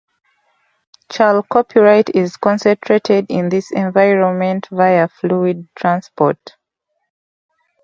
Chalcopyrite is concentrated in this environment via fluid transport.